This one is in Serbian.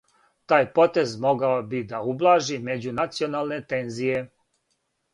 Тај потез могао би да ублажи међунационалне тензије.